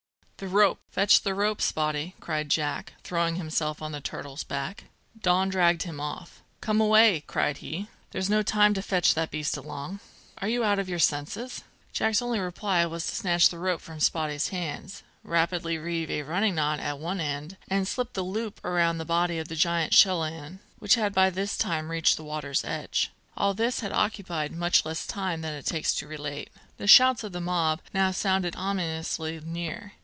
"The rope! Fetch the rope, Spottie!" cried Jack, throwing himself on the turtle's back. Don dragged him off. "Come away!" cried he. "There's no time to fetch that beast along. Are you out of your senses?" Jack's only reply was to snatch the rope from Spottie's hands, rapidly reeve a running knot at one end, and slip the loop around the body of the giant chelonian, which had by this time reached the water's edge. All this had occupied much less time than it takes to relate. The shouts of the mob now sounded ominously near.